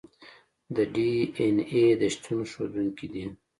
د ډي این اې د شتون ښودونکي دي.